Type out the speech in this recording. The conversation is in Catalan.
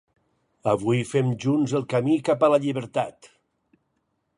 Avui fem junts el camí cap a la llibertat.